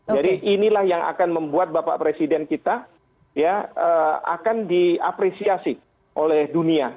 jadi inilah yang akan membuat bapak presiden kita akan diapresiasi oleh dunia